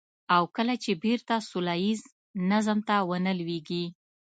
او کله چې بېرته سوله ييز نظم ته ونه لوېږي.